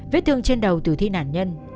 viết thương trên đầu tử thi nạn nhân